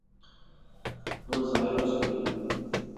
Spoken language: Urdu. وہ ظاہر ہو چکی ہیں۔